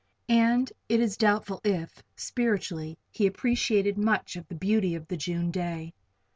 And it is doubtful if, spiritually, he appreciated much of the beauty of the June day.